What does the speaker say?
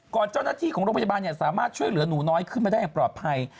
เจ้าหน้าที่ของโรงพยาบาลสามารถช่วยเหลือหนูน้อยขึ้นมาได้อย่างปลอดภัย